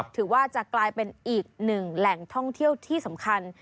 ถือว่าจะกลายเป็นอีกหนึ่งแหล่งท่องเที่ยวที่สำคัญ